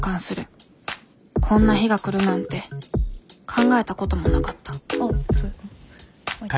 こんな日が来るなんて考えたこともなかったあっいってるやん。